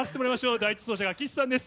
第１走者は岸さんです。